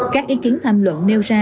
các ý kiến tham luận nêu ra